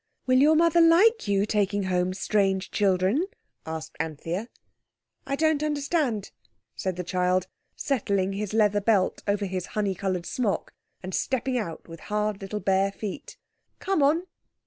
"Will your mother like you taking home strange children?" asked Anthea. "I don't understand," said the child, settling his leather belt over his honey coloured smock and stepping out with hard little bare feet. "Come on."